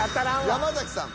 山崎さん。